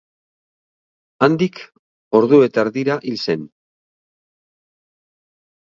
Handik ordu eta erdira hil zen.